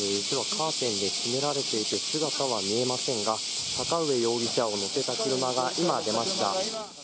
カーテンで閉められていて姿は見えませんが、坂上容疑者を乗せた車が今、出ました。